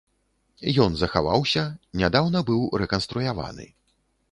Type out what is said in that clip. Ён захаваўся, нядаўна быў рэканструяваны.